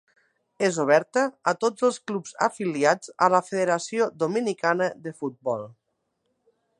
És oberta a tots els clubs afiliats a la Federació Dominicana de Futbol.